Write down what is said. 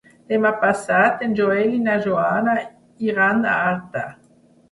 Demà passat en Joel i na Joana iran a Artà.